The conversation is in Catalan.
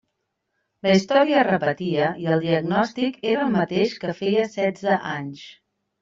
La història es repetia i el diagnòstic era el mateix que feia setze anys!